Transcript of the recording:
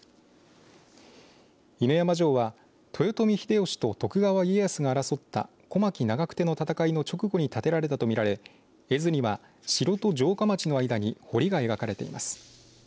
犬山城は豊臣秀吉と徳川家康が争った小牧長久手の戦いの直後に建てられたとみられ絵図には城と城下町の間に堀が描かれています。